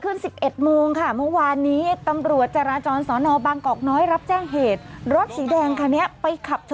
ไร้เพราะไม่ว่ามั้ยไม่พอแถมขับหนีด้วยไออัศ๔๓